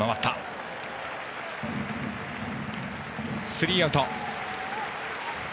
スリーアウト。